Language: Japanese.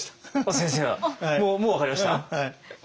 先生はもう分かりました？